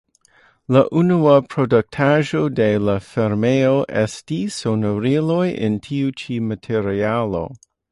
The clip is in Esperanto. La unua produktaĵo de la firmao estis sonoriloj el tiu ĉi materialo.